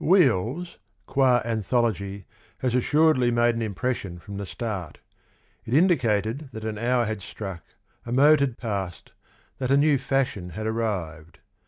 )' Wheels' qua anthology, has assuredly made an impression from the start. ... It indicated that an hour had struck, a mode had passed, that a hew fashion had arrived.